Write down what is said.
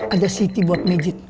ada siti buat mejit